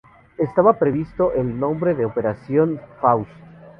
Estaba previsto el nombre de Operación Faust.